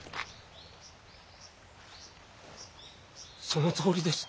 そのとおりです。